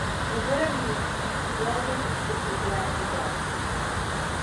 Cuando era niña, Knowles estudió danza y teatro.